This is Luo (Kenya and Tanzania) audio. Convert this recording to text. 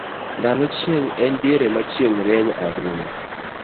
ndalo chieng' en diere na chieng' rieny ahinya